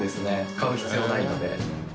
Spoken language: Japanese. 買う必要ないので。